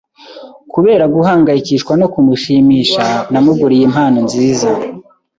Kubera guhangayikishwa no kumushimisha, namuguriye impano nziza.